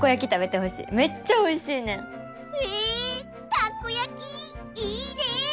タコ焼きいいね！